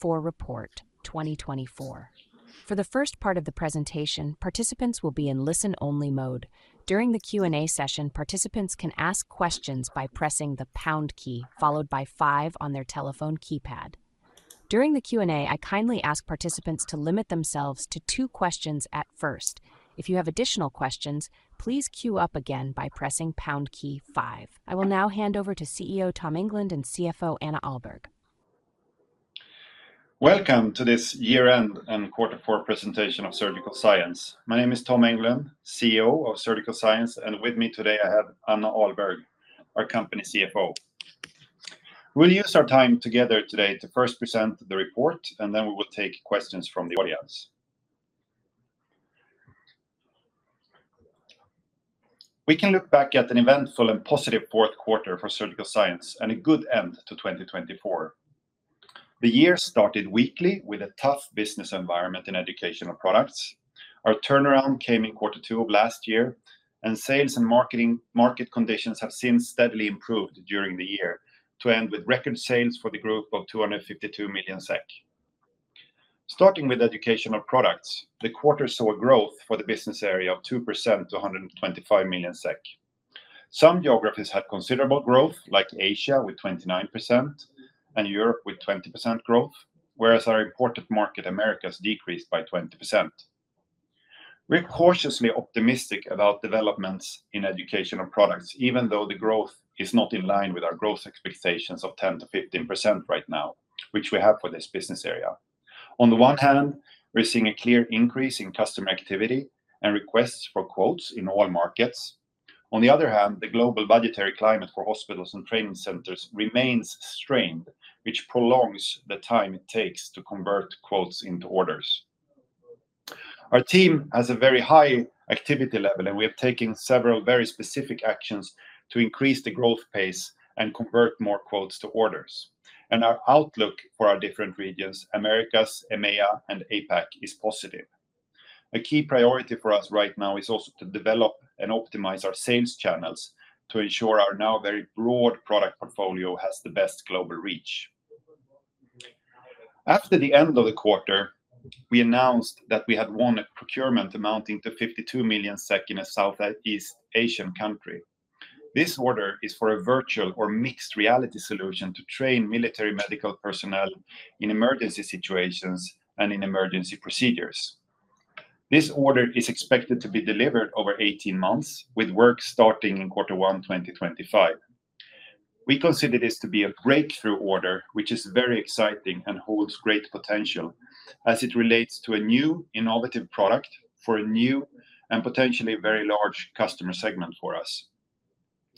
For Report 2024. For the first part of the presentation, participants will be in listen-only mode. During the Q&A session, participants can ask questions by pressing the pound key followed by five on their telephone keypad. During the Q&A, I kindly ask participants to limit themselves to two questions at first. If you have additional questions, please queue up again by pressing pound key five. I will now hand over to CEO Tom Englund and CFO Anna Ahlberg. Welcome to this year-end and quarter four presentation of Surgical Science. My name is Tom Englund, CEO of Surgical Science, and with me today I have Anna Ahlberg, our company CFO. We'll use our time together today to first present the report, and then we will take questions from the audience. We can look back at an eventful and positive fourth quarter for Surgical Science and a good end to 2024. The year started weakly with a tough business environment Educational Products. our turnaround came in quarter two of last year, and sales and market conditions have since steadily improved during the year to end with record sales for the group of 252 million SEK. Starting Educational Products, the quarter saw growth for the business area of 2% to 125 million SEK. Some geographies had considerable growth, like Asia with 29% and Europe with 20% growth, whereas our important market, Americas, has decreased by 20%. We're cautiously optimistic about developments Educational Products, even though the growth is not in line with our growth expectations of 10%-15% right now, which we have for this business area. On the one hand, we're seeing a clear increase in customer activity and requests for quotes in all markets. On the other hand, the global budgetary climate for hospitals and training centers remains strained, which prolongs the time it takes to convert quotes into orders. Our team has a very high activity level, and we are taking several very specific actions to increase the growth pace and convert more quotes to orders. Our outlook for our different regions, Americas, EMEA, and APAC, is positive. A key priority for us right now is also to develop and optimize our sales channels to ensure our now very broad product portfolio has the best global reach. After the end of the quarter, we announced that we had won a procurement amounting to 52 million SEK in a Southeast Asian country. This order is for a virtual or mixed reality solution to train military medical personnel in emergency situations and in emergency procedures. This order is expected to be delivered over 18 months, with work starting in quarter one 2025. We consider this to be a breakthrough order, which is very exciting and holds great potential as it relates to a new innovative product for a new and potentially very large customer segment for us.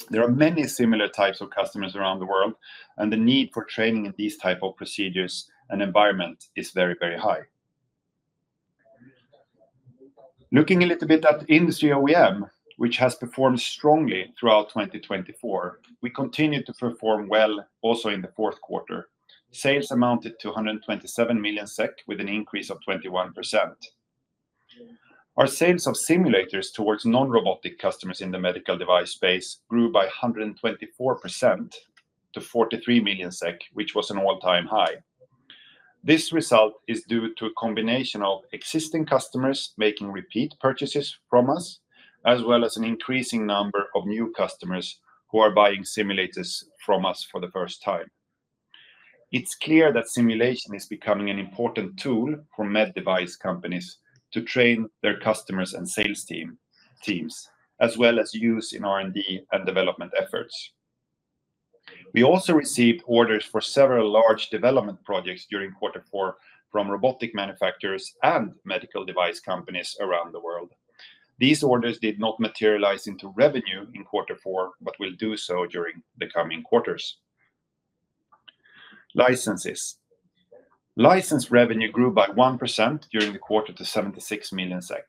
There are many similar types of customers around the world, and the need for training in these types of procedures and environments is very, very high. Looking a little bit at Industry OEM, which has performed strongly throughout 2024, we continue to perform well also in the fourth quarter. Sales amounted to 127 million SEK, with an increase of 21%. Our sales of simulators towards non-robotic customers in the medical device space grew by 124% to 43 million SEK, which was an all-time high. This result is due to a combination of existing customers making repeat purchases from us, as well as an increasing number of new customers who are buying simulators from us for the first time. It's clear that simulation is becoming an important tool for med device companies to train their customers and sales teams, as well as use in R&D and development efforts. We also received orders for several large development projects during quarter four from robotic manufacturers and medical device companies around the world. These orders did not materialize into revenue in quarter four, but will do so during the coming quarters. Licenses. License revenue grew by 1% during the quarter to 76 million SEK.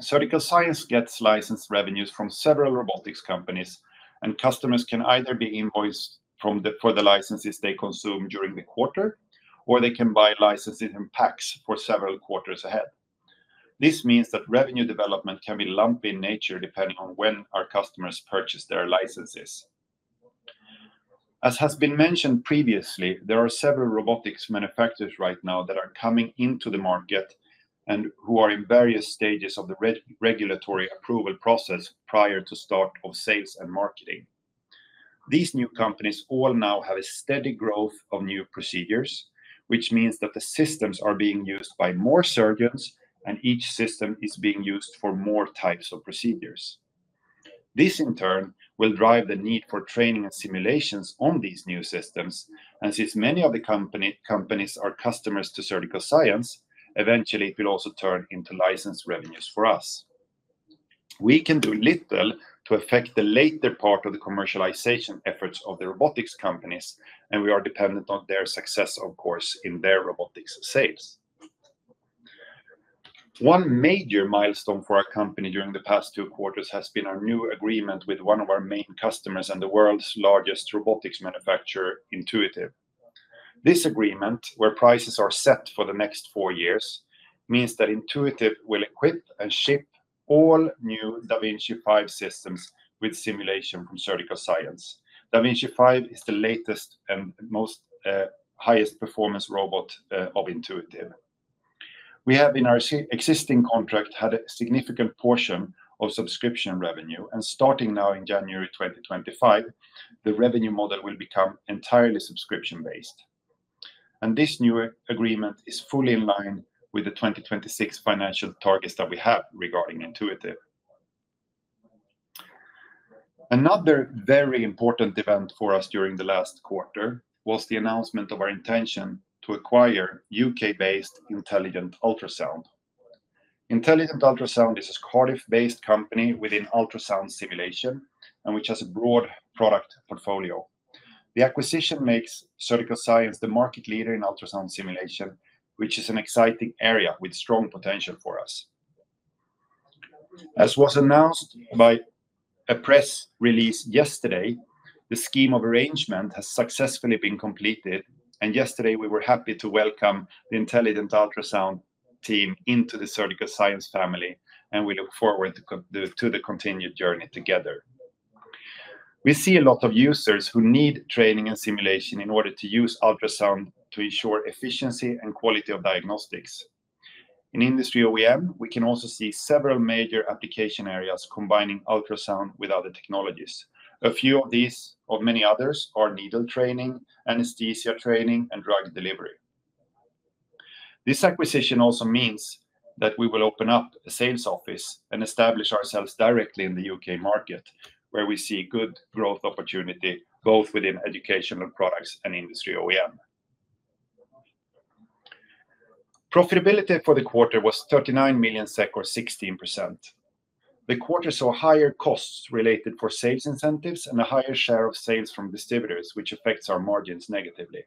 Surgical Science gets license revenues from several robotics companies, and customers can either be invoiced for the licenses they consume during the quarter, or they can buy licenses in packs for several quarters ahead. This means that revenue development can be lumpy in nature depending on when our customers purchase their licenses. As has been mentioned previously, there are several robotics manufacturers right now that are coming into the market and who are in various stages of the regulatory approval process prior to the start of sales and marketing. These new companies all now have a steady growth of new procedures, which means that the systems are being used by more surgeons, and each system is being used for more types of procedures. This, in turn, will drive the need for training and simulations on these new systems. And since many of the companies are customers to Surgical Science, eventually it will also turn into license revenues for us. We can do little to affect the later part of the commercialization efforts of the robotics companies, and we are dependent on their success, of course, in their robotics sales. One major milestone for our company during the past two quarters has been our new agreement with one of our main customers and the world's largest robotics manufacturer, Intuitive. This agreement, where prices are set for the next four years, means that Intuitive will equip and ship all new da Vinci 5 systems with simulation from Surgical Science. Da Vinci 5 is the latest and most highest performance robot of Intuitive. We have, in our existing contract, had a significant portion of subscription revenue, and starting now in January 2025, the revenue model will become entirely subscription-based. And this new agreement is fully in line with the 2026 financial targets that we have regarding Intuitive. Another very important event for us during the last quarter was the announcement of our intention to acquire U.K.-based Intelligent Ultrasound. Intelligent Ultrasound is a Cardiff-based company within ultrasound simulation, and which has a broad product portfolio. The acquisition makes Surgical Science the market leader in ultrasound simulation, which is an exciting area with strong potential for us. As was announced by a press release yesterday, the scheme of arrangement has successfully been completed, and yesterday we were happy to welcome the Intelligent Ultrasound team into the Surgical Science family, and we look forward to the continued journey together. We see a lot of users who need training and simulation in order to use ultrasound to ensure efficiency and quality of diagnostics. In Industry OEM, we can also see several major application areas combining ultrasound with other technologies. A few of these, of many others, are needle training, anesthesia training, and drug delivery. This acquisition also means that we will open up a sales office and establish ourselves directly in the U.K. market, where we see good growth opportunity both Educational Products and Industry OEM. Profitability for the quarter was 39 million SEK, or 16%. The quarter saw higher costs related to sales incentives and a higher share of sales from distributors, which affects our margins negatively.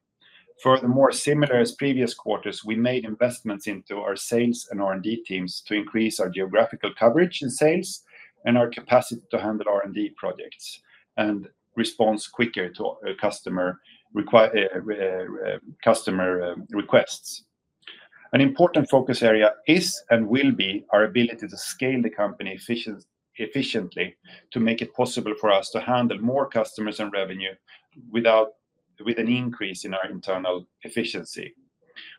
Furthermore, similar to previous quarters, we made investments into our sales and R&D teams to increase our geographical coverage in sales and our capacity to handle R&D projects and respond quicker to customer requests. An important focus area is and will be our ability to scale the company efficiently to make it possible for us to handle more customers and revenue with an increase in our internal efficiency.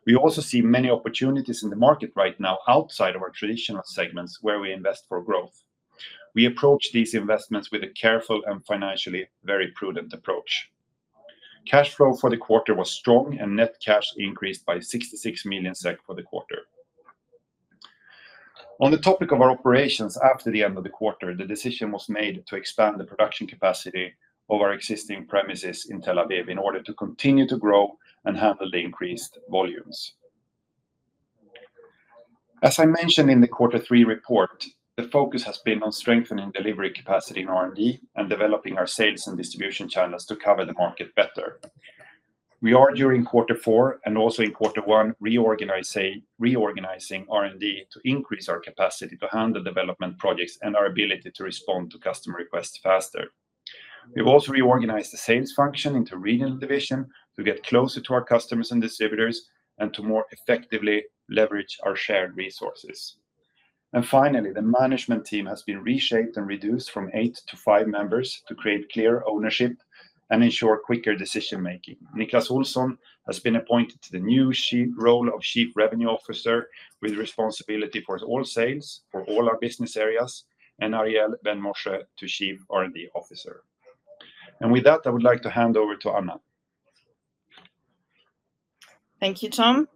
We also see many opportunities in the market right now outside of our traditional segments where we invest for growth. We approach these investments with a careful and financially very prudent approach. Cash flow for the quarter was strong, and net cash increased by 66 million SEK for the quarter. On the topic of our operations after the end of the quarter, the decision was made to expand the production capacity of our existing premises in Tel Aviv in order to continue to grow and handle the increased volumes. As I mentioned in the quarter three report, the focus has been on strengthening delivery capacity in R&D and developing our sales and distribution channels to cover the market better. We are, during quarter four and also in quarter one, reorganizing R&D to increase our capacity to handle development projects and our ability to respond to customer requests faster. We've also reorganized the sales function into a regional division to get closer to our customers and distributors and to more effectively leverage our shared resources. And finally, the management team has been reshaped and reduced from eight to five members to create clear ownership and ensure quicker decision-making. Niclas Olsson has been appointed to the new role of Chief Revenue Officer with responsibility for all sales, for all our business areas, and Ariel Ben Moshe to Chief R&D Officer. And with that, I would like to hand over to Anna. Thank you, Tom.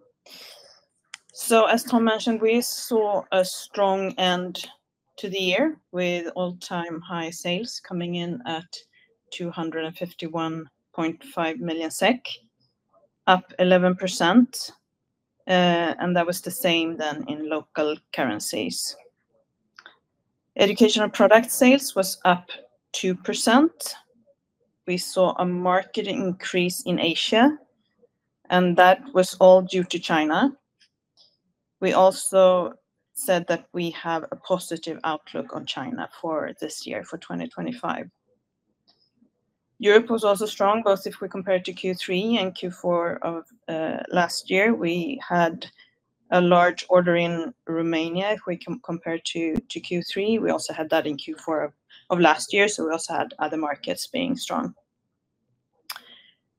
So, as Tom mentioned, we saw a strong end to the year with all-time high sales coming in at 251.5 million SEK, up 11%, and that was the same then in local currencies. Educational Products sales was up 2%. We saw a market increase in Asia, and that was all due to China. We also said that we have a positive outlook on China for this year, for 2025. Europe was also strong, both if we compare to Q3 and Q4 of last year. We had a large order in Romania if we compare to Q3. We also had that in Q4 of last year, so we also had other markets being strong.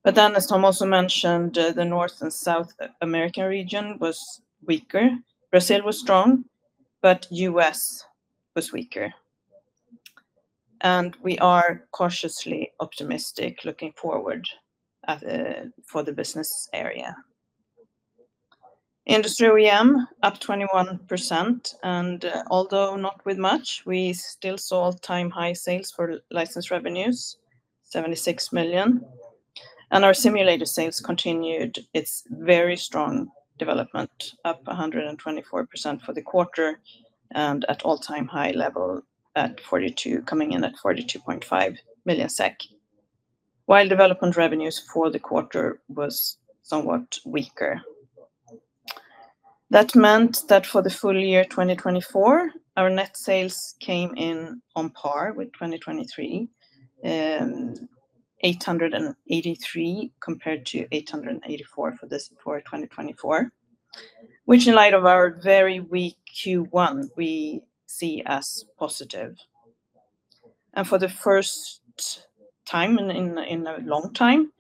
But then, as Tom also mentioned, the North and South American region was weaker. Brazil was strong, but the U.S. was weaker. And we are cautiously optimistic looking forward for the business area. Industry OEM up 21%, and although not with much, we still saw all-time high sales for license revenues, SEK 76 million. Our simulator sales continued its very strong development, up 124% for the quarter and at all-time high level at 42 million, coming in at 42.5 million SEK, while development revenues for the quarter were somewhat weaker. That meant that for the full year 2024, our net sales came in on par with 2023, 883 million compared to 884 million for 2023, which, in light of our very weak Q1, we see as positive. For the first time in a long time,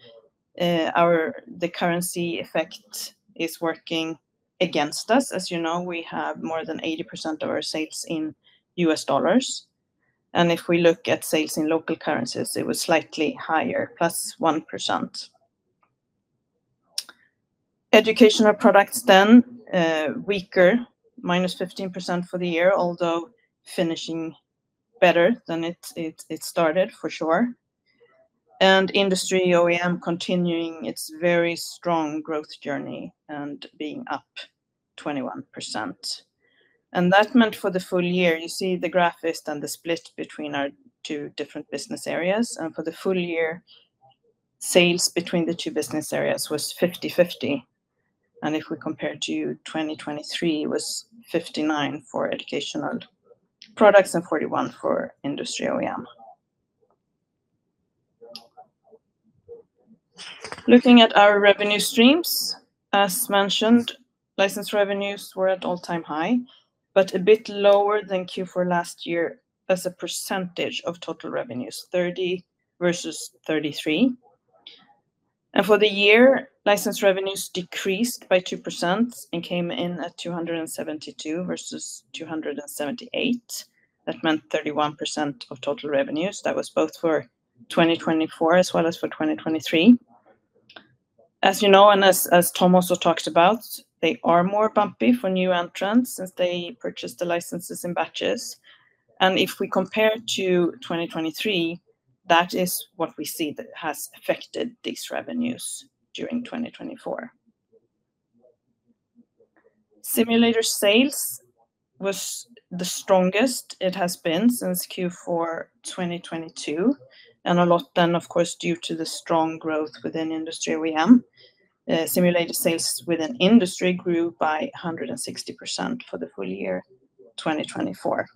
the currency effect is working against us. As you know, we have more than 80% of our sales in U.S. dollars. If we look at sales in local currencies, it was slightly higher, plus 1%. Educational Products then weaker, minus 15% for the year, although finishing better than it started, for sure. And Industry OEM continuing its very strong growth journey and being up 21%. And that meant for the full year, you see the graph is then the split between our two different business areas. And for the full year, sales between the two business areas was 50/50. And if we compare to 2023, it was 59% Educational Products and 41% for Industry OEM. Looking at our revenue streams, as mentioned, license revenues were at all-time high, but a bit lower than Q4 last year as a percentage of total revenues, 30% versus 33%. And for the year, license revenues decreased by 2% and came in at 272 versus 278. That meant 31% of total revenues. That was both for 2024 as well as for 2023. As you know, and as Tom also talked about, they are more bumpy for new entrants since they purchased the licenses in batches, and if we compare to 2023, that is what we see that has affected these revenues during 2024. Simulator sales was the strongest it has been since Q4 2022, and a lot then, of course, due to the strong growth within Industry OEM. Simulator sales within Industry grew by 160% for the full year 2024,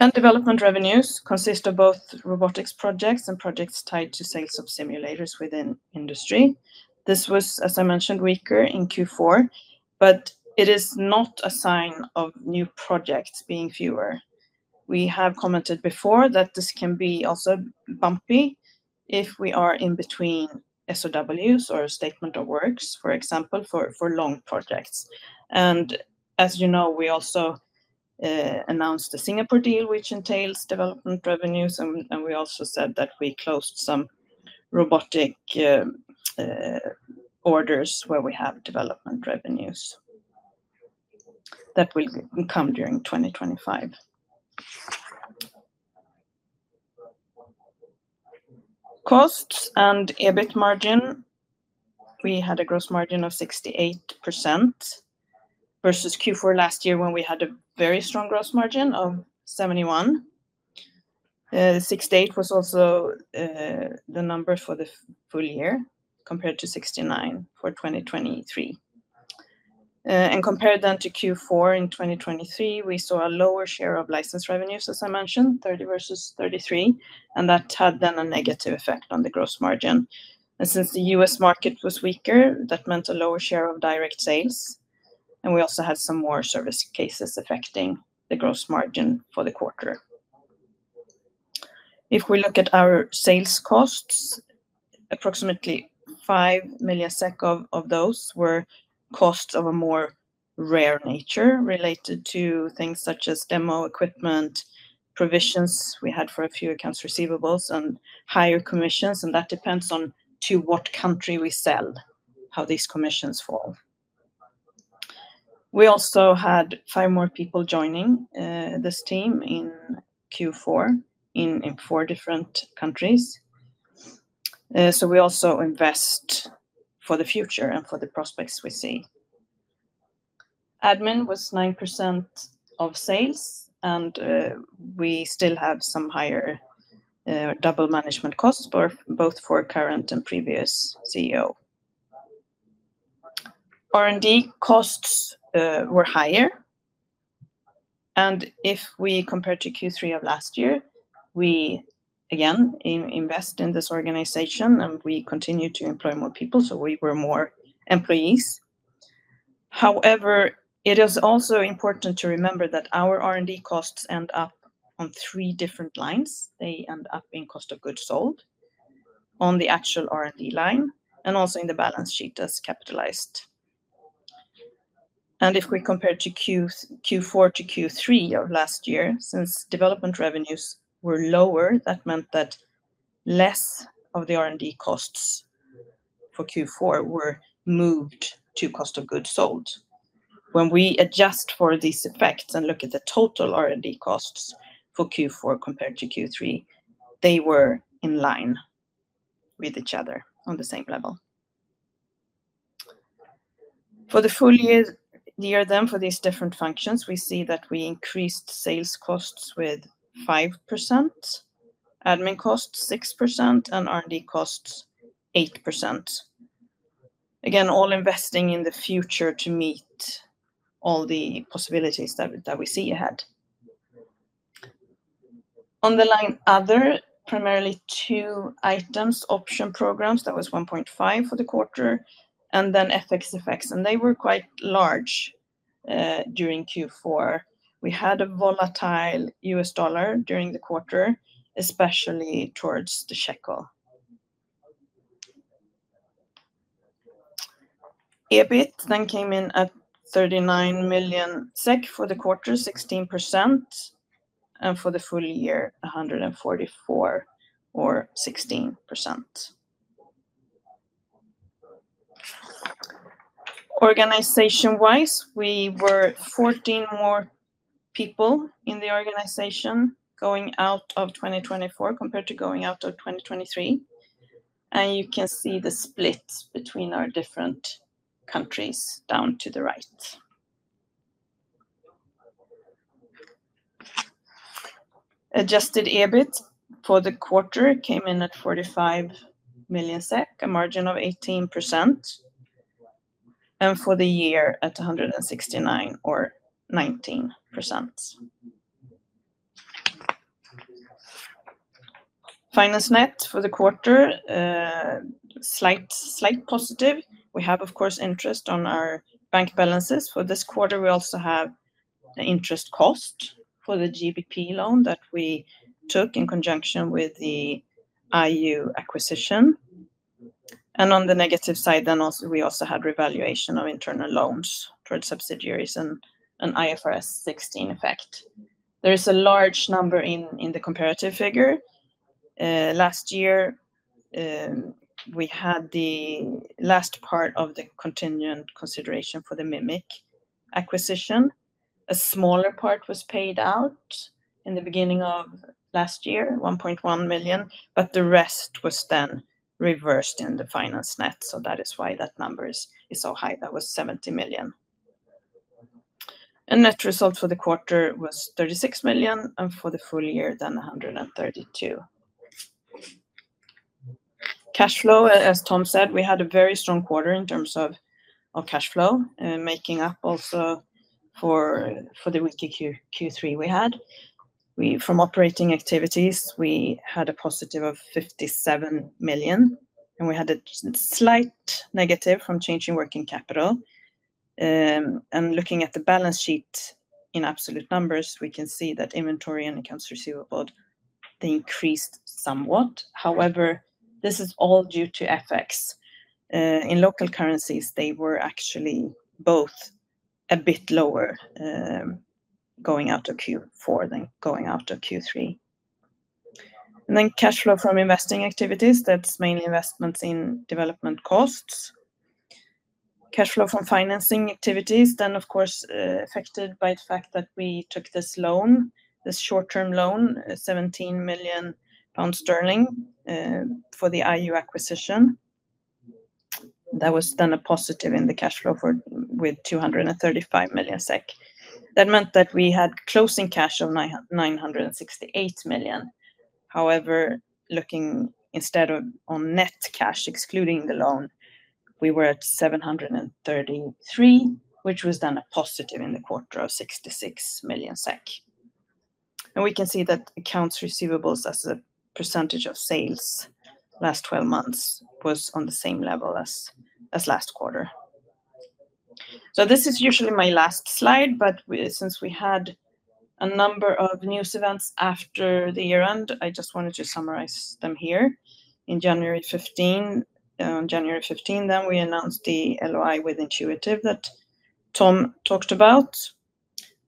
and development revenues consist of both robotics projects and projects tied to sales of simulators within Industry. This was, as I mentioned, weaker in Q4, but it is not a sign of new projects being fewer. We have commented before that this can be also bumpy if we are in between SOWs or statements of work, for example, for long projects. As you know, we also announced the Singapore deal, which entails development revenues, and we also said that we closed some robotic orders where we have development revenues that will come during 2025. Costs and EBIT margin. We had a gross margin of 68% versus Q4 last year when we had a very strong gross margin of 71%. 68% was also the number for the full year compared to 69% for 2023. And compared then to Q4 in 2023, we saw a lower share of license revenues, as I mentioned, 30% versus 33%, and that had then a negative effect on the gross margin. And since the U.S. market was weaker, that meant a lower share of direct sales, and we also had some more service cases affecting the gross margin for the quarter. If we look at our sales costs, approximately 5 million of those were costs of a more rare nature related to things such as demo equipment, provisions we had for a few accounts receivables, and higher commissions, and that depends on to what country we sell, how these commissions fall. We also had five more people joining this team in Q4 in four different countries. So we also invest for the future and for the prospects we see. Admin was 9% of sales, and we still have some higher double management costs both for current and previous CEO. R&D costs were higher, and if we compare to Q3 of last year, we again invest in this organization and we continue to employ more people, so we were more employees. However, it is also important to remember that our R&D costs end up on three different lines. They end up in cost of goods sold on the actual R&D line and also in the balance sheet as capitalized. And if we compare to Q4 to Q3 of last year, since development revenues were lower, that meant that less of the R&D costs for Q4 were moved to cost of goods sold. When we adjust for these effects and look at the total R&D costs for Q4 compared to Q3, they were in line with each other on the same level. For the full year then, for these different functions, we see that we increased sales costs with 5%, admin costs 6%, and R&D costs 8%. Again, all investing in the future to meet all the possibilities that we see ahead. On the line other, primarily two items, option programs, that was 1.5 for the quarter, and then FX effects, and they were quite large during Q4. We had a volatile U.S. dollar during the quarter, especially towards the shekel. EBIT then came in at 39 million SEK for the quarter, 16%, and for the full year, 144 or 16%. Organization-wise, we were 14 more people in the organization going out of 2024 compared to going out of 2023, and you can see the split between our different countries down to the right. Adjusted EBIT for the quarter came in at 45 million SEK, a margin of 18%, and for the year at 169 or 19%. Finance net for the quarter, slight positive. We have, of course, interest on our bank balances. For this quarter, we also have the interest cost for the GBP loan that we took in conjunction with the IU acquisition. On the negative side then, we also had revaluation of internal loans towards subsidiaries and an IFRS 16 effect. There is a large number in the comparative figure. Last year, we had the last part of the continuing consideration for the Mimic acquisition. A smaller part was paid out in the beginning of last year, 1.1 million, but the rest was then reversed in the finance net, so that is why that number is so high. That was 70 million. The net result for the quarter was 36 million, and for the full year then 132 million. Cash flow, as Tom said, we had a very strong quarter in terms of cash flow, making up also for the weak Q3 we had. From operating activities, we had a positive of 57 million, and we had a slight negative from changing working capital. Looking at the balance sheet in absolute numbers, we can see that inventory and accounts receivable, they increased somewhat. However, this is all due to FX. In local currencies, they were actually both a bit lower going out of Q4 than going out of Q3. And then cash flow from investing activities, that's mainly investments in development costs. Cash flow from financing activities, then, of course, affected by the fact that we took this loan, this short-term loan, 17 million pounds for the IU acquisition. That was then a positive in the cash flow with 235 million SEK. That meant that we had closing cash of 968 million. However, looking instead on net cash, excluding the loan, we were at 733 million, which was then a positive in the quarter of 66 million SEK. And we can see that accounts receivables as a percentage of sales last 12 months was on the same level as last quarter. So this is usually my last slide, but since we had a number of news events after the year-end, I just wanted to summarize them here. On January 15, then we announced the LOI with Intuitive that Tom talked about.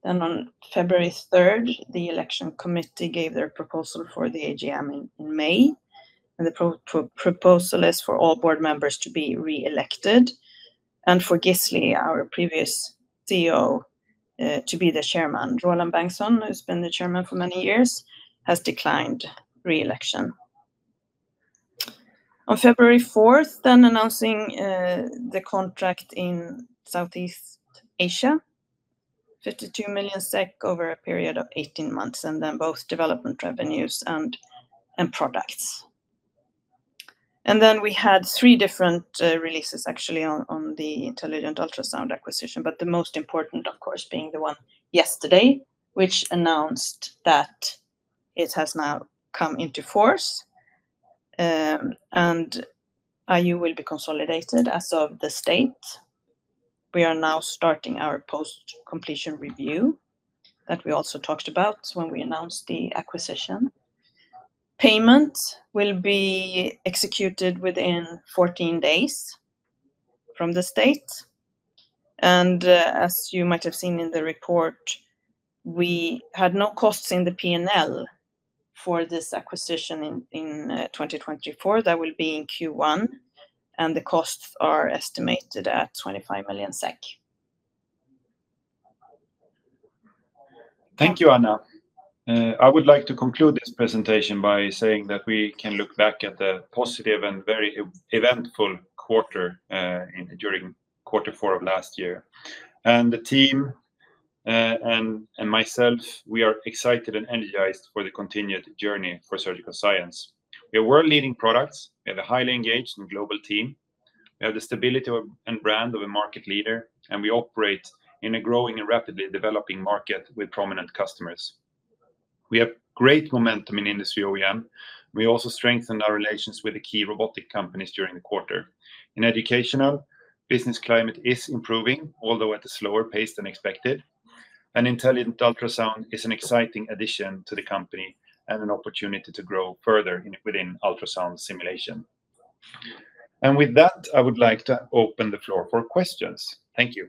Then on February 3, the election committee gave their proposal for the AGM in May, and the proposal is for all board members to be re-elected, and for Gisli, our previous CEO, to be the chairman. Roland Bengtsson, who's been the chairman for many years, has declined re-election. On February 4, then announcing the contract in Southeast Asia, 52 million SEK over a period of 18 months, and then both development revenues and products. Then we had three different releases, actually, on the Intelligent Ultrasound acquisition, but the most important, of course, being the one yesterday, which announced that it has now come into force, and IU will be consolidated as of the date. We are now starting our post-completion review that we also talked about when we announced the acquisition. Payment will be executed within 14 days from the date. And as you might have seen in the report, we had no costs in the P&L for this acquisition in 2024. That will be in Q1, and the costs are estimated at 25 million SEK. Thank you, Anna. I would like to conclude this presentation by saying that we can look back at the positive and very eventful quarter during quarter 4 of last year. And the team and myself, we are excited and energized for the continued journey for Surgical Science. We are world-leading products. We have a highly engaged and global team. We have the stability and brand of a market leader, and we operate in a growing and rapidly developing market with prominent customers. We have great momentum in Industry OEM. We also strengthened our relations with the key robotic companies during the quarter. In Educational, business climate is improving, although at a slower pace than expected, and Intelligent Ultrasound is an exciting addition to the company and an opportunity to grow further within ultrasound simulation, and with that, I would like to open the floor for questions. Thank you.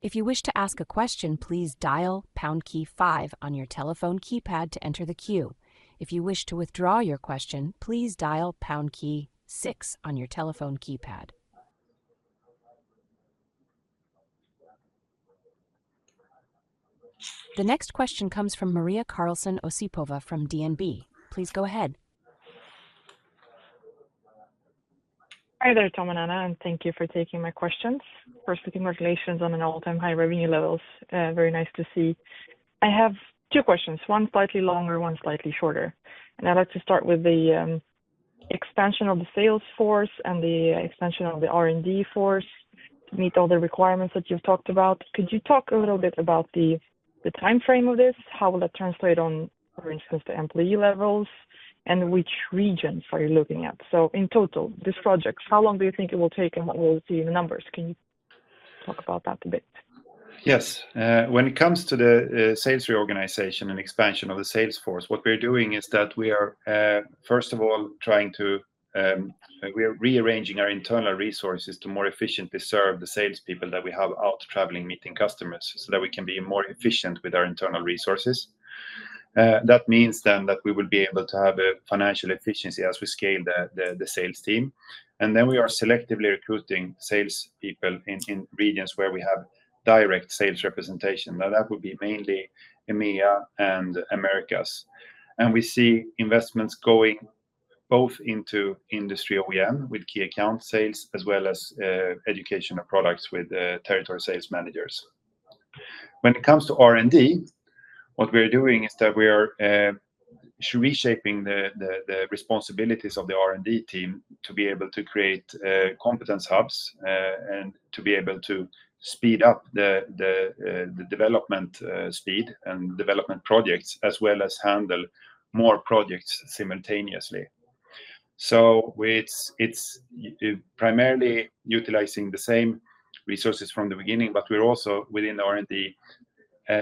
If you wish to ask a question, please dial pound key five on your telephone keypad to enter the queue. If you wish to withdraw your question, please dial pound key six on your telephone keypad. The next question comes from Maria Karlsson Osipova from DNB. Please go ahead. Hi there, Tom and Anna, and thank you for taking my questions. First, congratulations on an all-time high revenue levels. Very nice to see. I have two questions, one slightly longer, one slightly shorter. And I'd like to start with the expansion of the sales force and the expansion of the R&D force to meet all the requirements that you've talked about. Could you talk a little bit about the timeframe of this? How will that translate on, for instance, the employee levels? And which regions are you looking at? So in total, this project, how long do you think it will take and what will be the numbers? Can you talk about that a bit? Yes. When it comes to the sales reorganization and expansion of the sales force, what we're doing is that we are, first of all, trying to rearrange our internal resources to more efficiently serve the salespeople that we have out traveling, meeting customers so that we can be more efficient with our internal resources. That means then that we will be able to have financial efficiency as we scale the sales team. And then we are selectively recruiting salespeople in regions where we have direct sales representation. Now, that would be mainly EMEA and Americas. And we see investments going both into Industry OEM with key account sales as well Educational Products with territory sales managers. When it comes to R&D, what we're doing is that we are reshaping the responsibilities of the R&D team to be able to create competence hubs and to be able to speed up the development speed and development projects as well as handle more projects simultaneously. So it's primarily utilizing the same resources from the beginning, but we're also within the R&D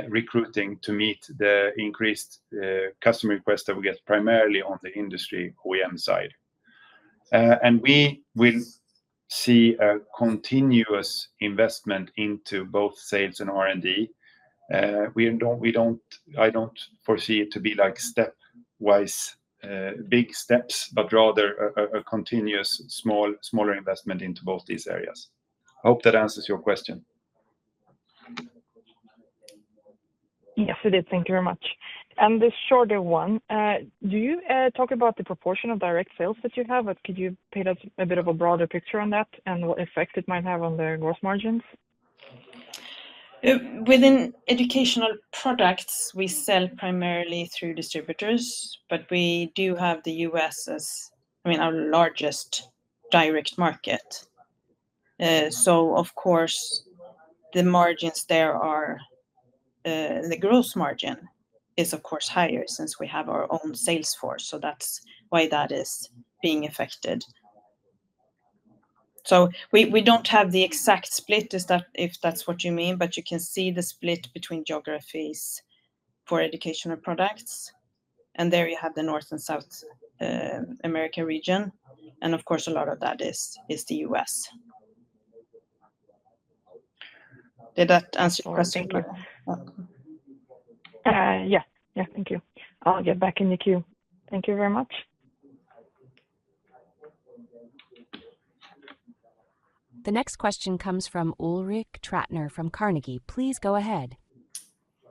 recruiting to meet the increased customer requests that we get primarily on the Industry OEM side. And we will see a continuous investment into both sales and R&D. I don't foresee it to be like stepwise big steps, but rather a continuous smaller investment into both these areas. I hope that answers your question. Yes, it did. Thank you very much. And the shorter one, do you talk about the proportion of direct sales that you have? Could you paint us a bit of a broader picture on that and what effect it might have on the gross margins? Educational Products, we sell primarily through distributors, but we do have the US as, I mean, our largest direct market. So, of course, the margins there are, the gross margin is, of course, higher since we have our own sales force, so that's why that is being affected. So we don't have the exact split, if that's what you mean, but you can see the split between geographies for Educational Products. And there you have the North and South America region. And, of course, a lot of that is the U.S.. Did that answer your question? Yes. Yes. Thank you. I'll get back in the queue. Thank you very much. The next question comes from Ulrik Trattner from Carnegie. Please go ahead.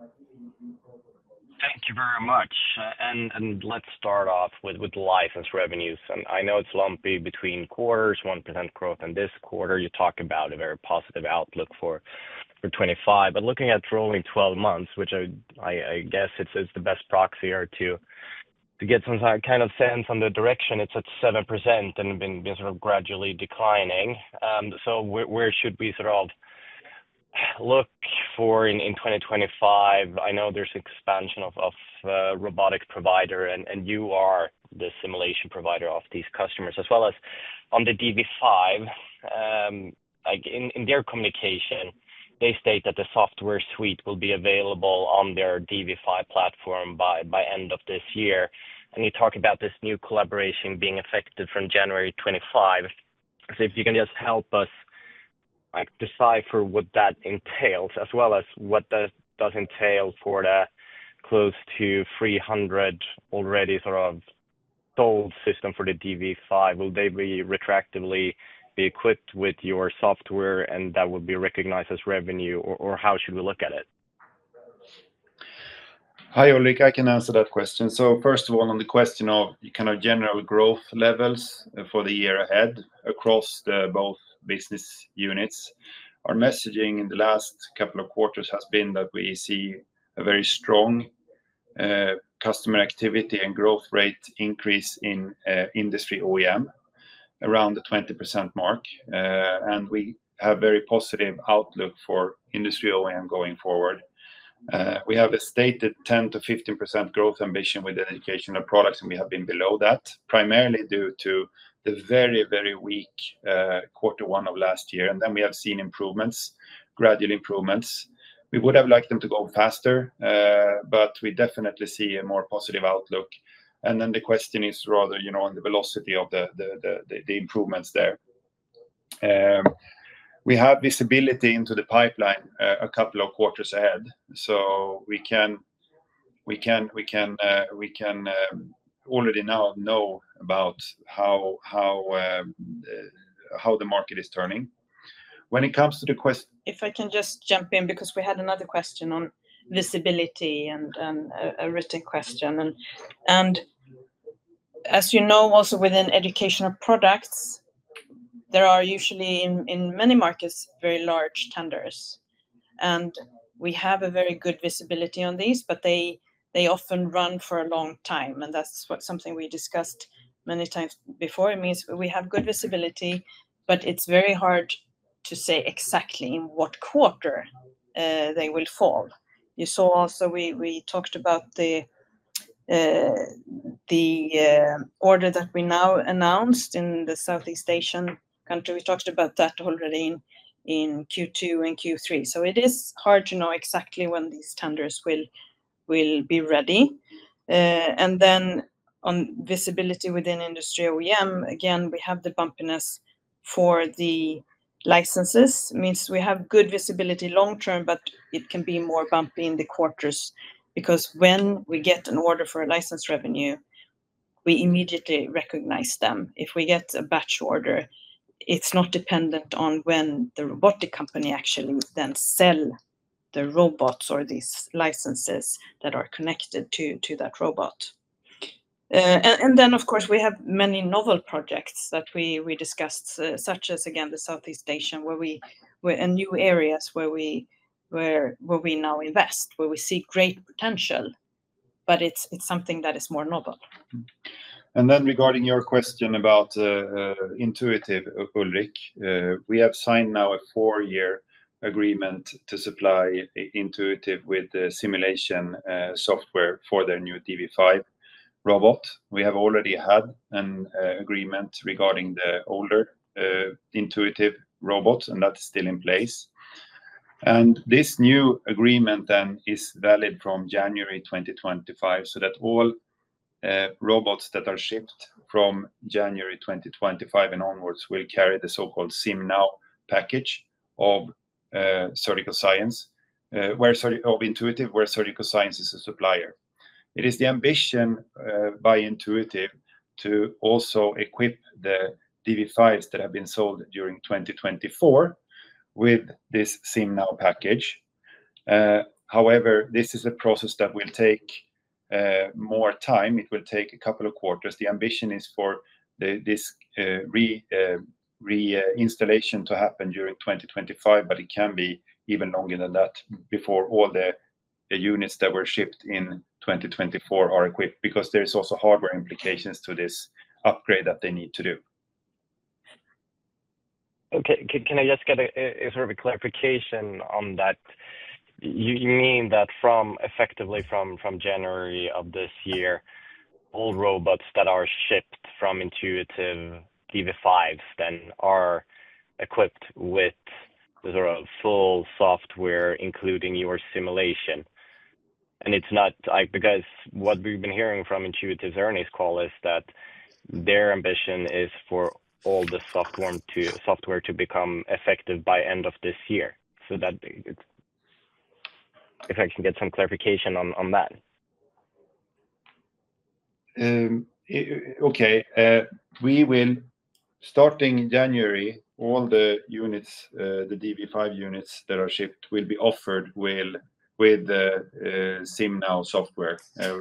Thank you very much. Let's start off with license revenues. I know it's lumpy between quarters, 1% growth in this quarter. You talk about a very positive outlook for 2025. Looking at rolling 12 months, which I guess is the best proxy to get some kind of sense on the direction, it's at 7% and been sort of gradually declining. Where should we sort of look for in 2025? I know there's expansion of robotics provider, and you are the simulation provider of these customers, as well as on the dV5. In their communication, they state that the software suite will be available on their dV5 platform by end of this year. You talk about this new collaboration being effective from January 2025. So if you can just help us decipher what that entails, as well as what that does entail for the close to 300 already sort of sold system for the dV5, will they retroactively be equipped with your software and that would be recognized as revenue, or how should we look at it? Hi, Ulrik. I can answer that question. So first of all, on the question of kind of general growth levels for the year ahead across both business units, our messaging in the last couple of quarters has been that we see a very strong customer activity and growth rate increase in Industry OEM, around the 20% mark, and we have a very positive outlook for Industry OEM going forward. We have a stated 10%-15% growth ambition Educational Products, and we have been below that, primarily due to the very, very weak quarter one of last year, and then we have seen improvements, gradual improvements. We would have liked them to go faster, but we definitely see a more positive outlook, and then the question is rather on the velocity of the improvements there. We have visibility into the pipeline a couple of quarters ahead, so we can already now know about how the market is turning. When it comes to the question, If I can just jump in because we had another question on visibility and a written question, and as you know, also Educational Products, there are usually in many markets very large tenders. And we have a very good visibility on these, but they often run for a long time. That's something we discussed many times before. It means we have good visibility, but it's very hard to say exactly in what quarter they will fall. You saw also we talked about the order that we now announced in the Southeast Asian country. We talked about that already in Q2 and Q3. So it is hard to know exactly when these tenders will be ready. And then on visibility within Industry OEM, again, we have the bumpiness for the licenses. It means we have good visibility long-term, but it can be more bumpy in the quarters because when we get an order for license revenue, we immediately recognize them. If we get a batch order, it's not dependent on when the robotic company actually then sells the robots or these licenses that are connected to that robot. And then, of course, we have many novel projects that we discussed, such as, again, the Southeast Asia where we were in new areas where we now invest, where we see great potential, but it's something that is more novel. And then regarding your question about Intuitive, Ulrik, we have signed now a four-year agreement to supply Intuitive with simulation software for their new dV5 robot. We have already had an agreement regarding the older Intuitive robot, and that's still in place. And this new agreement then is valid from January 2025, so that all robots that are shipped from January 2025 and onwards will carry the so-called SimNow package of Intuitive where Surgical Science is a supplier. It is the ambition by Intuitive to also equip the DV5s that have been sold during 2024 with this SimNow package. However, this is a process that will take more time. It will take a couple of quarters. The ambition is for this reinstallation to happen during 2025, but it can be even longer than that before all the units that were shipped in 2024 are equipped because there are also hardware implications to this upgrade that they need to do. Okay. Can I just get a sort of a clarification on that? You mean that effectively from January of this year, all robots that are shipped from Intuitive dV5s then are equipped with the sort of full software, including your simulation, and it's not because what we've been hearing from Intuitive's earnings call is that their ambition is for all the software to become effective by end of this year, so if I can get some clarification on that. Okay. We will, starting January, all the units, the dV5 units that are shipped will be offered with the SimNow software,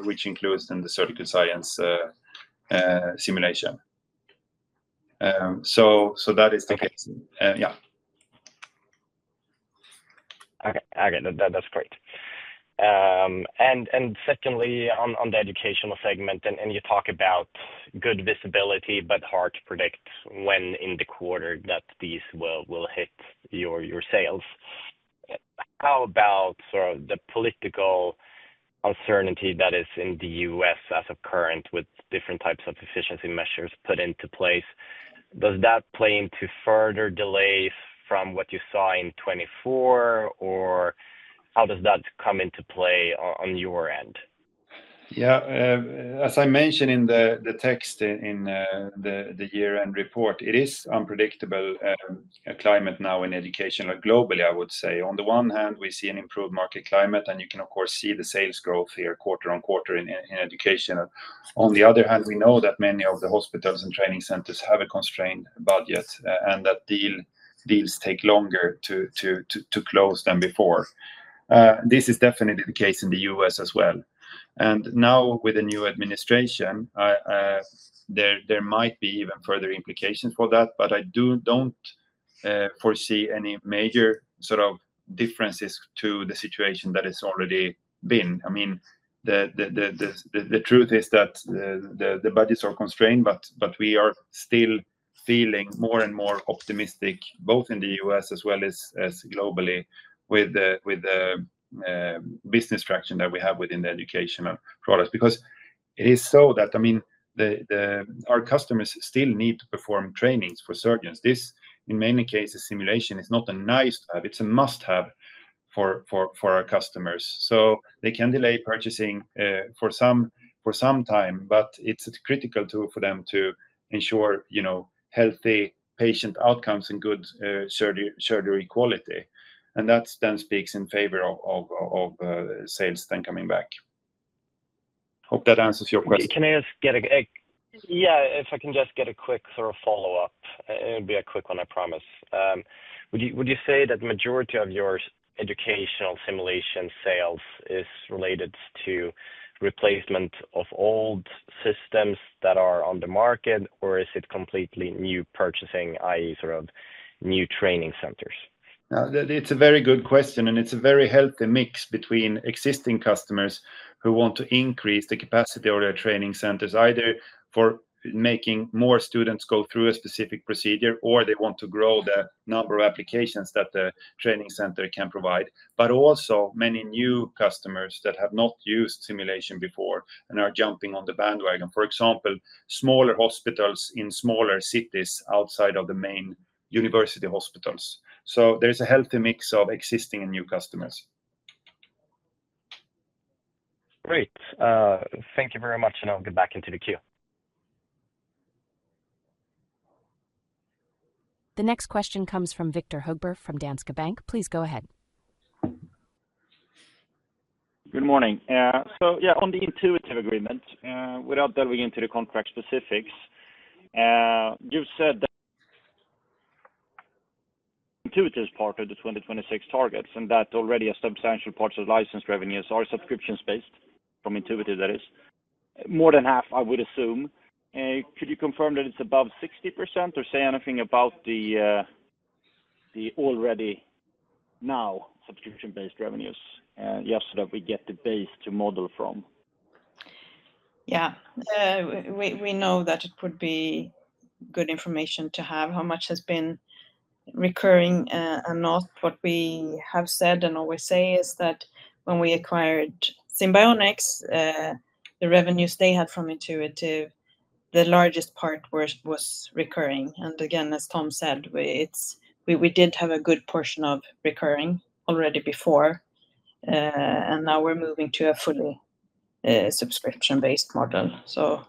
which includes then the Surgical Science simulation. So that is the case. Yeah. Okay. That's great. And secondly, on the Educational segment, and you talk about good visibility, but hard to predict when in the quarter that these will hit your sales. How about sort of the political uncertainty that is in the U.S. as of current with different types of efficiency measures put into place? Does that play into further delays from what you saw in 2024, or how does that come into play on your end? Yeah. As I mentioned in the text in the year-end report, it is unpredictable climate now in Educational globally, I would say. On the one hand, we see an improved market climate, and you can, of course, see the sales growth here quarter on quarter in Educational. On the other hand, we know that many of the hospitals and training centers have a constrained budget, and that deals take longer to close than before. This is definitely the case in the U.S. as well, and now, with the new administration, there might be even further implications for that, but I don't foresee any major sort of differences to the situation that has already been. I mean, the truth is that the budgets are constrained, but we are still feeling more and more optimistic, both in the U.S. as well as globally, with the business traction that we have within Educational Products. because it is so that, I mean, our customers still need to perform trainings for surgeons. This, in many cases, simulation is not a nice to have. It's a must-have for our customers, so they can delay purchasing for some time, but it's critical for them to ensure healthy patient outcomes and good surgery quality, and that then speaks in favor of sales then coming back. Hope that answers your question. Can I just get a quick sort of follow-up, it'll be a quick one, I promise. Would you say that the majority of your Educational Simulation sales is related to replacement of old systems that are on the market, or is it completely new purchasing, i.e., sort of new training centers? It's a very good question, and it's a very healthy mix between existing customers who want to increase the capacity of their training centers, either for making more students go through a specific procedure, or they want to grow the number of applications that the training center can provide. But also many new customers that have not used simulation before and are jumping on the bandwagon, for example, smaller hospitals in smaller cities outside of the main university hospitals. So there's a healthy mix of existing and new customers. Great. Thank you very much, and I'll get back into the queue. The next question comes from Viktor Högberg from Danske Bank. Please go ahead. Good morning. So yeah, on the Intuitive agreement, without delving into the contract specifics, you've said that Intuitive's part of the 2026 targets, and that already a substantial part of license revenues are subscription-based from Intuitive, that is. More than half, I would assume. Could you confirm that it's above 60% or say anything about the already now subscription-based revenues just so that we get the base to model from? Yeah. We know that it would be good information to have how much has been recurring and not. What we have said and always say is that when we acquired Simbionix, the revenues they had from Intuitive, the largest part was recurring. And again, as Tom said, we did have a good portion of recurring already before, and now we're moving to a fully subscription-based model. So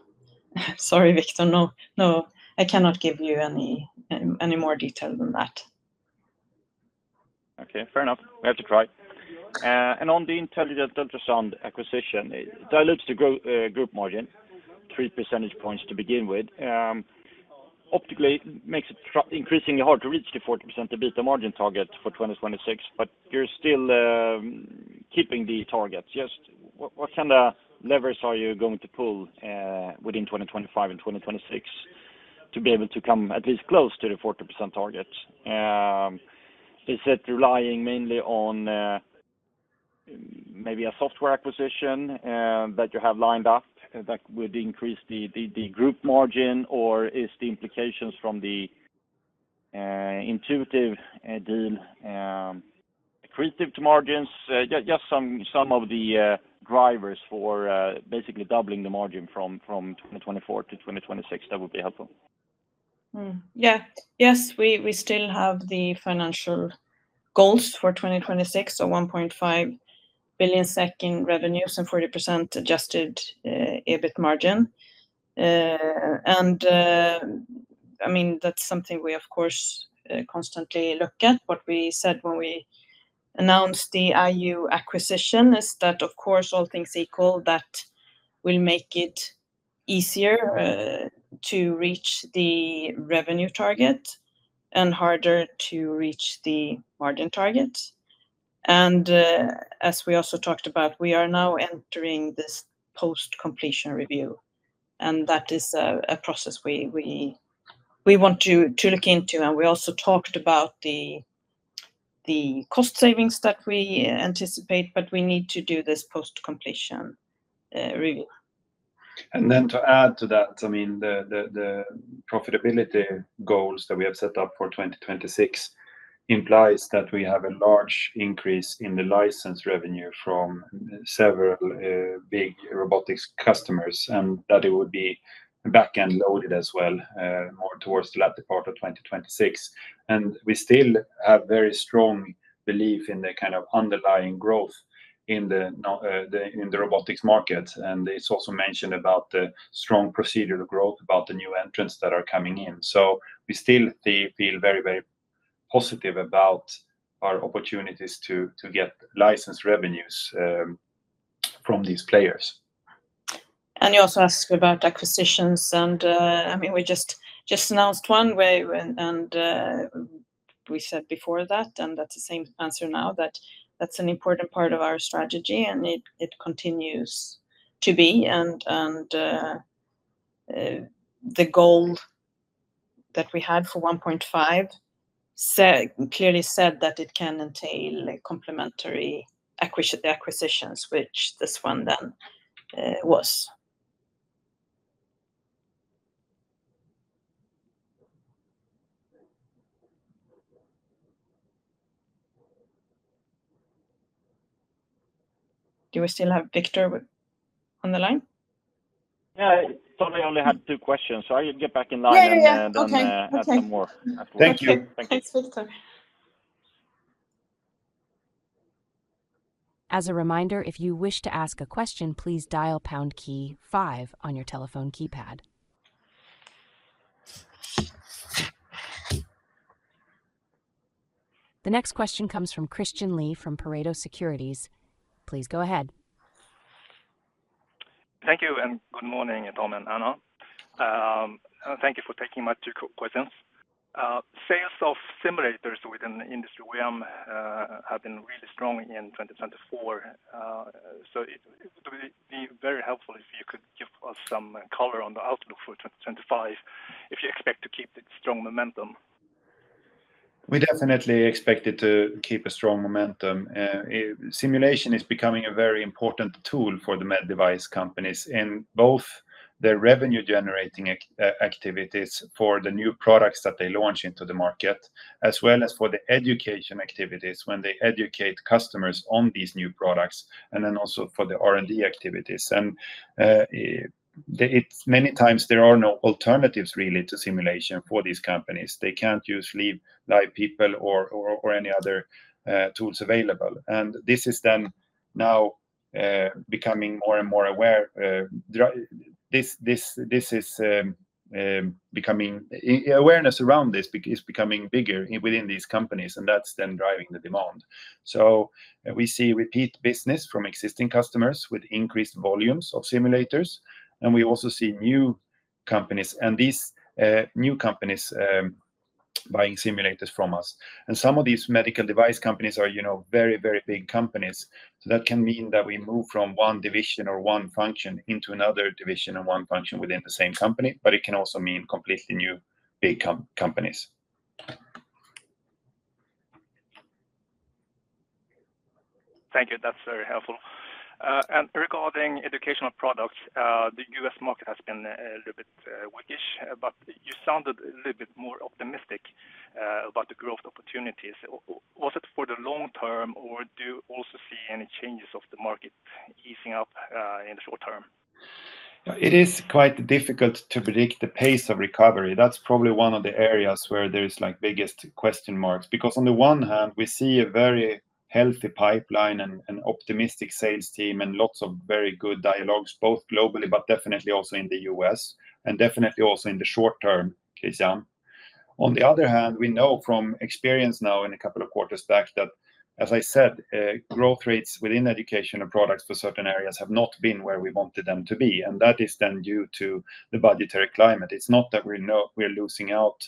sorry, Viktor. No, I cannot give you any more detail than that. Okay. Fair enough. We have to try and on the Intelligent Ultrasound acquisition, it dilutes the group margin three percentage points to begin with. Optically, it makes it increasingly hard to reach the 40% EBITDA margin target for 2026, but you're still keeping the target. Just what kind of levers are you going to pull within 2025 and 2026 to be able to come at least close to the 40% target? Is it relying mainly on maybe a software acquisition that you have lined up that would increase the group margin, or is the implications from the Intuitive deal accretive to margins? Just some of the drivers for basically doubling the margin from 2024 to 2026 that would be helpful. Yeah. Yes, we still have the financial goals for 2026 of 1.5 billion in revenues and 40% adjusted EBIT margin, and I mean, that's something we, of course, constantly look at. What we said when we announced the IU acquisition is that, of course, all things equal, that will make it easier to reach the revenue target and harder to reach the margin target. As we also talked about, we are now entering this post-completion review, and that is a process we want to look into. We also talked about the cost savings that we anticipate, but we need to do this post-completion review. To add to that, I mean, the profitability goals that we have set up for 2026 implies that we have a large increase in the license revenue from several big robotics customers and that it would be back-end loaded as well, more towards the latter part of 2026. We still have very strong belief in the kind of underlying growth in the robotics market. It's also mentioned about the strong procedural growth, about the new entrants that are coming in. We still feel very, very positive about our opportunities to get license revenues from these players. You also asked about acquisitions. I mean, we just announced one today, and we said before that, and that's the same answer now, that that's an important part of our strategy, and it continues to be. The goal that we had for 2025 clearly said that it can entail complementary acquisitions, which this one then was. Do we still have Viktor on the line? Yeah. Tom, I only had two questions. Sorry, I'll get back in line and ask some more. Thank you. Thanks, Viktor. As a reminder, if you wish to ask a question, please dial pound key five on your telephone keypad. The next question comes from Christian Lee from Pareto Securities. Please go ahead. Thank you and good morning, Tom and Anna. Thank you for taking my two questions. Sales of simulators within the Industry OEM have been really strong in 2024. So it would be very helpful if you could give us some color on the outlook for 2025 if you expect to keep the strong momentum. We definitely expect it to keep a strong momentum. Simulation is becoming a very important tool for the med device companies in both their revenue-generating activities for the new products that they launch into the market, as well as for the education activities when they educate customers on these new products, and then also for the R&D activities. And many times, there are no alternatives really to simulation for these companies. They can't use live people or any other tools available. This is then now becoming more and more aware. This is becoming awareness around this is becoming bigger within these companies, and that's then driving the demand. We see repeat business from existing customers with increased volumes of simulators, and we also see new companies and these new companies buying simulators from us. Some of these medical device companies are very, very big companies. That can mean that we move from one division or one function into another division and one function within the same company, but it can also mean completely new big companies. Thank you. That's very helpful. Educational Products, the U.S. market has been a little bit weakish, but you sounded a little bit more optimistic about the growth opportunities. Was it for the long term, or do you also see any changes of the market easing up in the short term? It is quite difficult to predict the pace of recovery. That's probably one of the areas where there are the biggest question marks. Because on the one hand, we see a very healthy pipeline and optimistic sales team and lots of very good dialogues, both globally, but definitely also in the U.S., and definitely also in the short term, Christian. On the other hand, we know from experience now in a couple of quarters back that, as I said, growth rates within Educational Products for certain areas have not been where we wanted them to be. And that is then due to the budgetary climate. It's not that we're losing out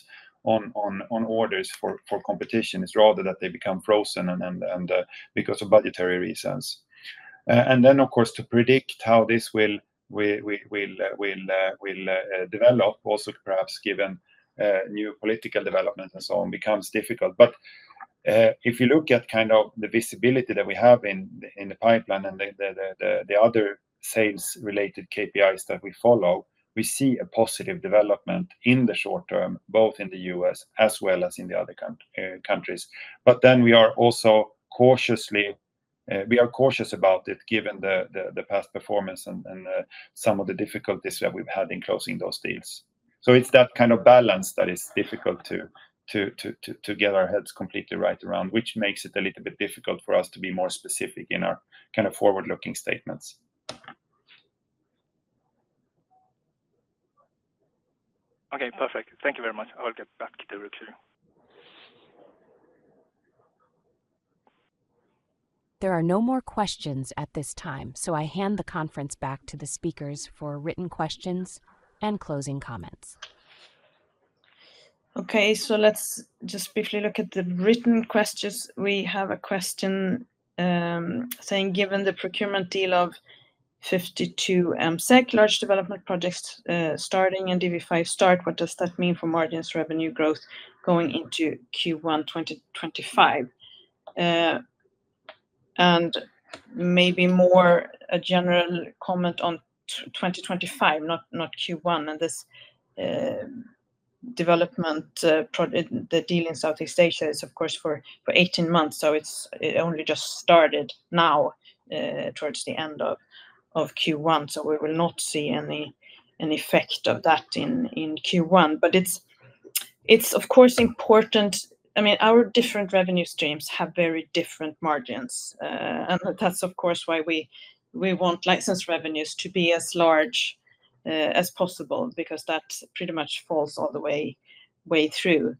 on orders for competition. It's rather that they become frozen because of budgetary reasons. And then, of course, to predict how this will develop, also perhaps given new political developments and so on, becomes difficult. But if you look at kind of the visibility that we have in the pipeline and the other sales-related KPIs that we follow, we see a positive development in the short term, both in the U.S. as well as in the other countries. But then we are also cautious about it given the past performance and some of the difficulties that we've had in closing those deals. So it's that kind of balance that is difficult to get our heads completely right around, which makes it a little bit difficult for us to be more specific in our kind of forward-looking statements. Okay. Perfect. Thank you very much. I'll get back to you. There are no more questions at this time, so I hand the conference back to the speakers for written questions and closing comments. Okay, so let's just briefly look at the written questions. We have a question saying, "Given the procurement deal of 52 MSEK, large development projects starting and dV5 start, what does that mean for margins revenue growth going into Q1 2025?" And maybe more a general comment on 2025, not Q1. And this development, the deal in Southeast Asia is, of course, for 18 months, so it only just started now towards the end of Q1. So we will not see any effect of that in Q1. But it's, of course, important. I mean, our different revenue streams have very different margins. And that's, of course, why we want license revenues to be as large as possible because that pretty much falls all the way through.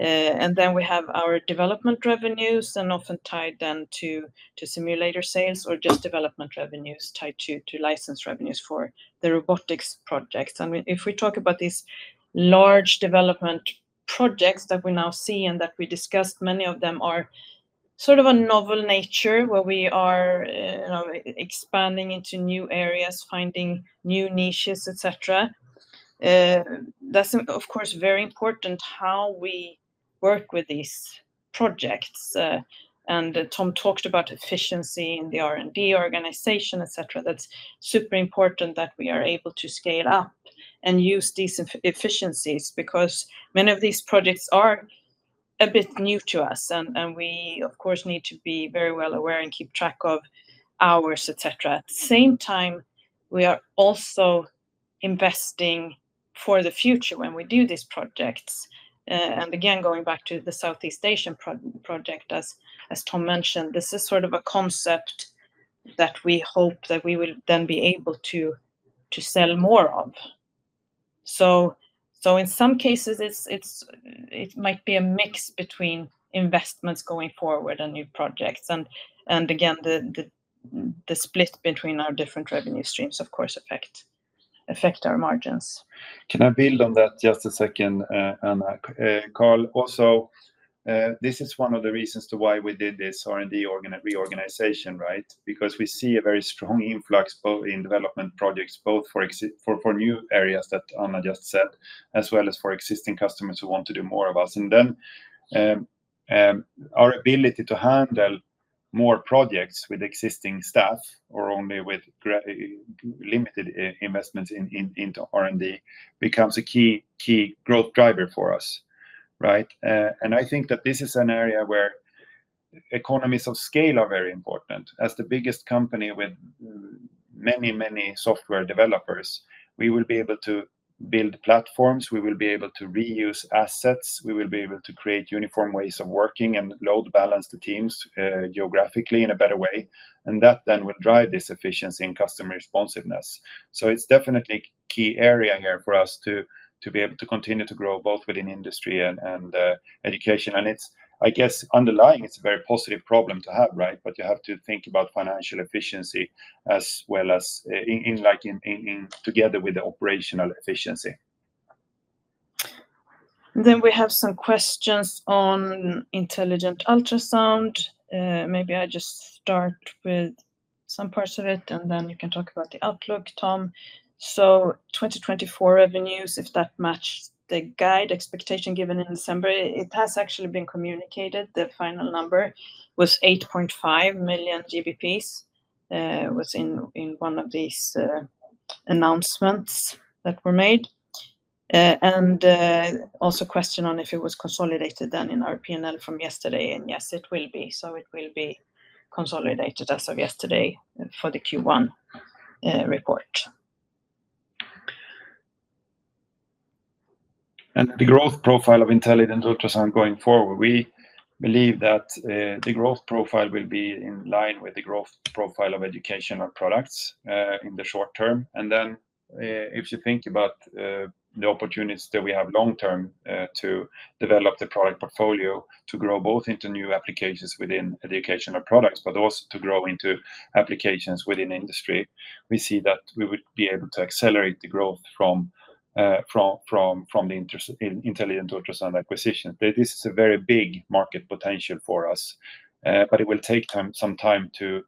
And then we have our development revenues and often tied then to simulator sales or just development revenues tied to license revenues for the robotics projects. And if we talk about these large development projects that we now see and that we discussed, many of them are sort of a novel nature where we are expanding into new areas, finding new niches, etc. That's, of course, very important how we work with these projects. And Tom talked about efficiency in the R&D organization, etc. That's super important that we are able to scale up and use these efficiencies because many of these projects are a bit new to us, and we, of course, need to be very well aware and keep track of hours, etc. At the same time, we are also investing for the future when we do these projects. And again, going back to the Southeast Asian project, as Tom mentioned, this is sort of a concept that we hope that we will then be able to sell more of. So in some cases, it might be a mix between investments going forward and new projects. And again, the split between our different revenue streams, of course, affects our margins. Can I build on that just a second, Anna? Carl, also, this is one of the reasons to why we did this R&D reorganization, right? Because we see a very strong influx in development projects, both for new areas that Anna just said, as well as for existing customers who want to do more of us. And then our ability to handle more projects with existing staff or only with limited investments into R&D becomes a key growth driver for us, right? And I think that this is an area where economies of scale are very important. As the biggest company with many, many software developers, we will be able to build platforms. We will be able to reuse assets. We will be able to create uniform ways of working and load balance the teams geographically in a better way. And that then will drive this efficiency and customer responsiveness. So it's definitely a key area here for us to be able to continue to grow both within industry and education. And I guess underlying, it's a very positive problem to have, right? But you have to think about financial efficiency as well as together with the operational efficiency. Then we have some questions on Intelligent Ultrasound. Maybe I just start with some parts of it, and then you can talk about the outlook, Tom. So, 2024 revenues, if that matched the guide expectation given in December, it has actually been communicated. The final number was 8.5 million GBP. It was in one of these announcements that were made. And also a question on if it was consolidated then in our P&L from yesterday. And yes, it will be. So it will be consolidated as of yesterday for the Q1 report. And the growth profile of Intelligent Ultrasound going forward, we believe that the growth profile will be in line with the growth profile Educational Products in the short term. And then if you think about the opportunities that we have long term to develop the product portfolio to grow both into new applications Educational Products, but also to grow into applications within industry, we see that we would be able to accelerate the growth from the Intelligent Ultrasound acquisition. This is a very big market potential for us, but it will take some time to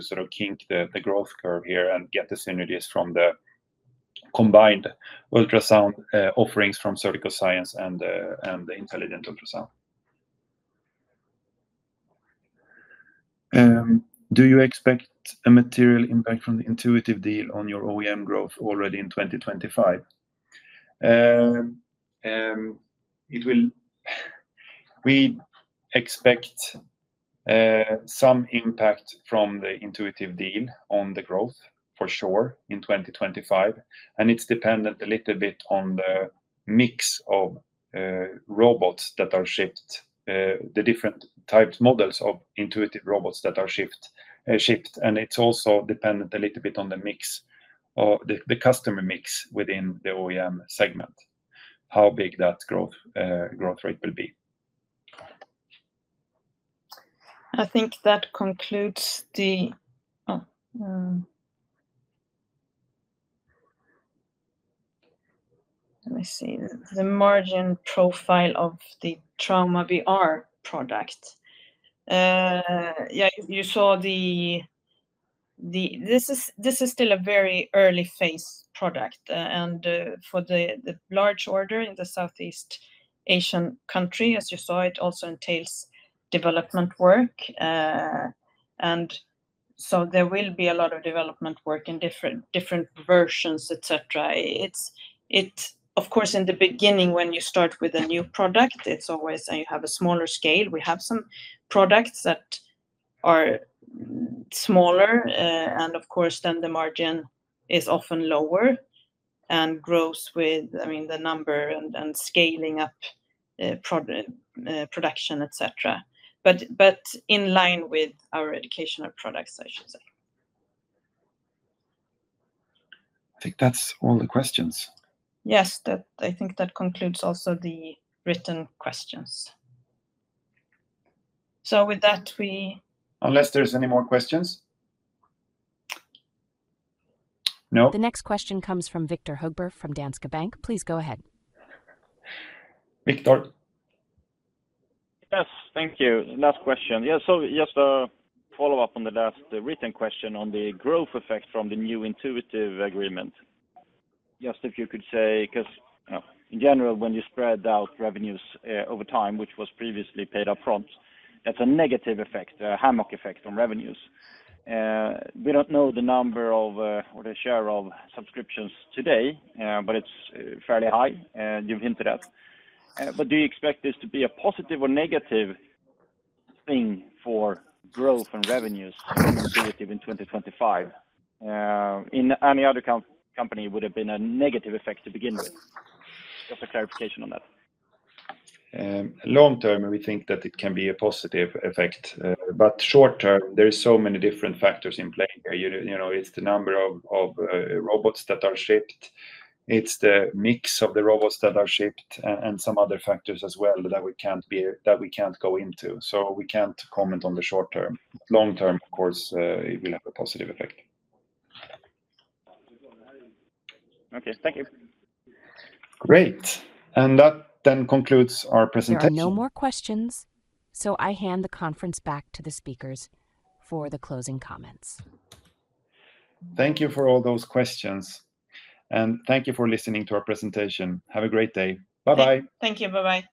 sort of kink the growth curve here and get the synergies from the combined ultrasound offerings from Surgical Science and the Intelligent Ultrasound. Do you expect a material impact from the Intuitive deal on your OEM growth already in 2025? We expect some impact from the Intuitive deal on the growth, for sure, in 2025. And it's dependent a little bit on the mix of robots that are shipped, the different types, models of Intuitive robots that are shipped. And it's also dependent a little bit on the customer mix within the OEM segment, how big that growth rate will be. I think that concludes the margin profile of the TraumaVR product. Yeah, you saw this is still a very early phase product. For the large order in the Southeast Asian country, as you saw, it also entails development work. There will be a lot of development work in different versions, etc. Of course, in the beginning, when you start with a new product, it's always you have a smaller scale. We have some products that are smaller. Of course, then the margin is often lower and grows with, I mean, the number and scaling up production, etc. In line with Educational Products, i should say. I think that's all the questions. Yes, I think that concludes also the written questions. With that. Unless there's any more questions? No? The next question comes from Viktor Högberg from Danske Bank. Please go ahead. Viktor. Yes, thank you. Last question. Yes, just a follow-up on the last written question on the growth effect from the new Intuitive agreement. Just if you could say, because in general, when you spread out revenues over time, which was previously paid upfront, that's a negative effect, a hammock effect on revenues. We don't know the number or the share of subscriptions today, but it's fairly high. You've hinted at. But do you expect this to be a positive or negative thing for growth and revenues in 2025? In any other company, it would have been a negative effect to begin with. Just a clarification on that. Long term, we think that it can be a positive effect. But short term, there are so many different factors in play here. It's the number of robots that are shipped. It's the mix of the robots that are shipped and some other factors as well that we can't go into. So we can't comment on the short term. Long term, of course, it will have a positive effect. Okay. Thank you. Great. And that then concludes our presentation. No more questions. So I hand the conference back to the speakers for the closing comments. Thank you for all those questions. And thank you for listening to our presentation. Have a great day. Bye-bye. Thank you. Bye-bye.